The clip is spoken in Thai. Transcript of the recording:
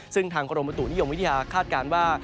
ซึ่งทางกรมบุตุนิยมวิทยาคาดการณ์ว่า